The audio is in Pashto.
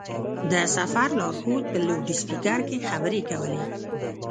د سفر لارښود په لوډسپېکر کې خبرې کولې.